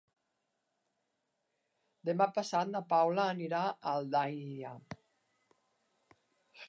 Demà passat na Paula anirà a Aldaia.